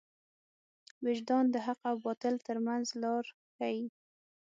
وجدان د حق او باطل تر منځ لار ښيي.